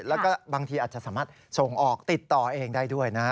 แล้วก็บางทีอาจจะสามารถส่งออกติดต่อเองได้ด้วยนะ